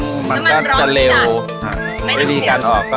น้ำมันร้อนนี่อ่ะ